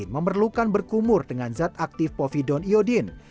memerlukan berkumur dengan zat aktif povidon iodin